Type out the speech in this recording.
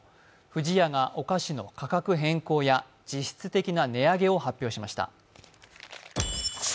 不二家がお菓子の価格変更や実質的な値上げを発表しました。